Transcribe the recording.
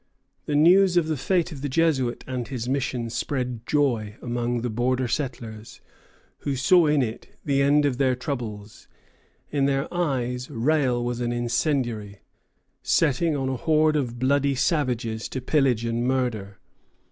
The news of the fate of the Jesuit and his mission spread joy among the border settlers, who saw in it the end of their troubles. In their eyes Rale was an incendiary, setting on a horde of bloody savages to pillage and murder.